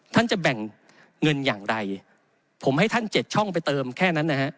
ท่านจะแบ่งเงินอย่างไรผมให้ท่านเจ็ดช่องไปเติมแค่นั้นนะฮะ